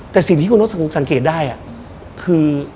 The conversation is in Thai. แต่สิ่งที่คุณทศพสังเกตได้คือ